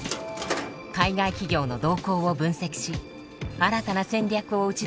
海外企業の動向を分析し新たな戦略を打ち出しています。